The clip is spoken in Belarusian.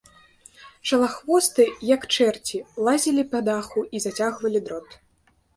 Шалахвосты, як чэрці, лазілі па даху і зацягвалі дрот.